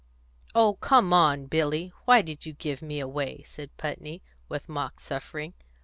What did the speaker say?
"Oh, come now, Billy, why did you give me away?" said Putney, with mock suffering.